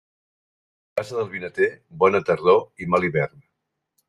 A casa del vinater, bona tardor i mal hivern.